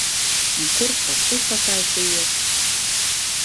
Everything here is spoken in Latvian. Un kurp tad tu sataisījies?